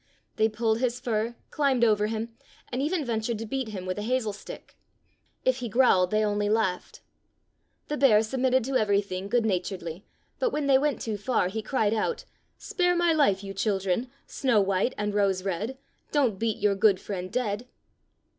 They pulled his fur, climbed over him, and even ventured to beat him with a hazel stick. If he growled they only laughed. The bear 38 Fairy Tale Bears submitted to everything good naturedly, but when they went too far he cried out: — "Spare my life, you children. Snow white and Rose red, Don't beat your good friend dead."